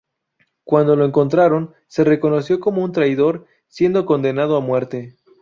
Cuando lo encontraron, se reconoció como un traidor, siendo condenado a muerte.